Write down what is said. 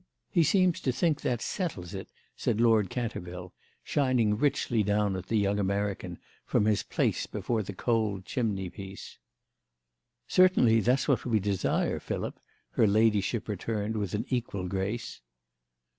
"He seems to think that settles it," said Lord Canterville, shining richly down at the young American from his place before the cold chimney piece. "Certainly that's what we desire, Philip," her ladyship returned with an equal grace.